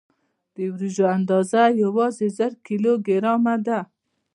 د وریجو اندازه یوازې زر کیلو ګرامه ده.